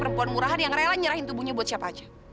perempuan murahan yang rela nyerahin tubuhnya buat siapa aja